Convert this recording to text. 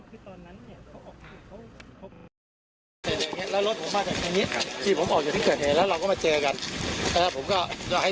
ที่ผมออกจากที่เกิดแล้วเราก็มาเจอกันแล้วผมก็จะให้